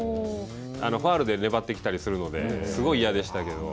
ファウルで粘ってきたりするのですごい嫌でしたけど。